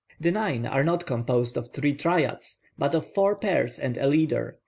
The nine are not composed of three triads, but of four pairs and a leader.